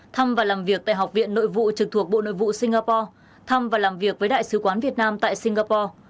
thăm và làm việc tại học viện nội vụ trực thuộc bộ nội vụ singapore thăm và làm việc với đại sứ quán việt nam tại singapore